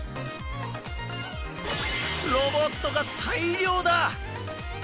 ロボットが大量だ！